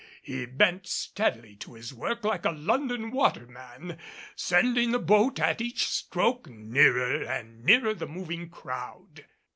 He bent steadily to his work like a London waterman, sending the boat at each stroke nearer and nearer the moving crowd.